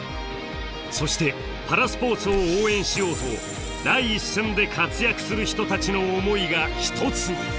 そしてパラスポーツを応援しようと第一線で活躍する人たちの思いが一つに。